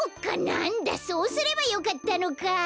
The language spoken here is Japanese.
なんだそうすればよかったのか。